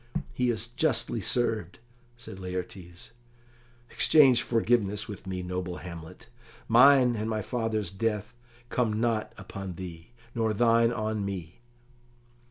"He is justly served," said Laertes. "Exchange forgiveness with me, noble Hamlet. Mine and my father's death come not upon thee, nor thine on me."